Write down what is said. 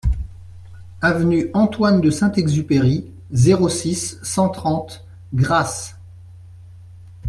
Avenue Antoine de Saint-Exupéry, zéro six, cent trente Grasse